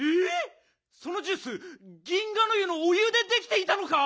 そのジュース銀河の湯のお湯でできていたのか！？